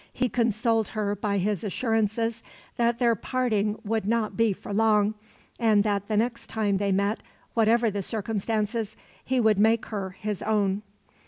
He consoled her by his assurances that their parting would not be for long; and that the next time they met, whatever the circumstances, he would make her his own.